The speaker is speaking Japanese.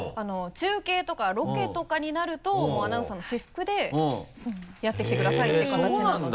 中継とかロケとかになるとアナウンサーの私服でやってきてくださいという形なので。